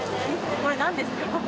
これ、なんですか？